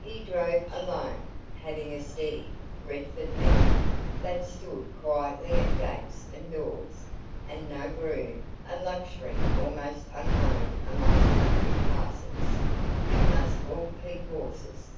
He drove alone, having a steady (Redford) mare, that stood quietly at gates and doors, and no groom a luxury almost unknown amongst country parsons, who must all keep horses.